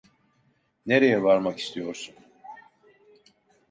Nereye varmak istiyorsun?